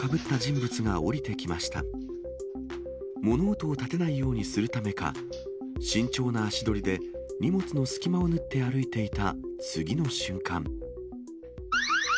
物音を立てないようにするためか、慎重な足取りで、荷物の隙間を縫って歩いていた次の瞬間。